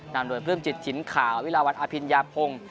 นำโดยเพิ่มจิตถิ่นข่าววิลวัตน์อพิญญาโพง